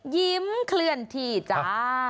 ยิ้มเคลื่อนที่จ้า